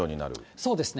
そうですね。